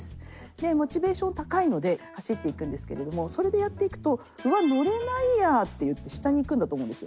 でモチベーション高いので走っていくんですけれどもそれでやっていくと「うわっ乗れないや」っていって下に行くんだと思うんですよ。